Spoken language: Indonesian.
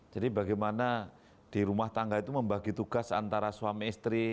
jadi bagaimana di rumah tangga itu membagi tugas antara suami istri